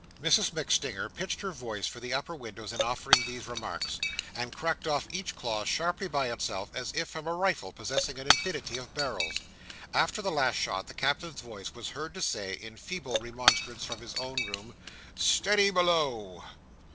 Mrs MacStinger pitched her voice for the upper windows in offering these remarks, and cracked off each clause sharply by itself as if from a rifle possessing an infinity of barrels. After the last shot, the Captain's voice was heard to say, in feeble remonstrance from his own room, "Steady below!"